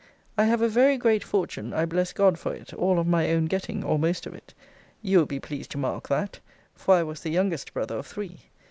I have a very great fortune, I bless God for it, all of my own getting, or most of it; you will be pleased to mark that; for I was the youngest brother of three.